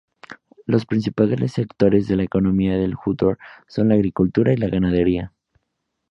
Los principales sectores de la economía del "jútor" son la agricultura y la ganadería.